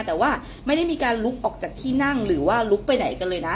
แต่ว่าไม่ได้มีการลุกออกจากที่นั่งหรือว่าลุกไปไหนกันเลยนะ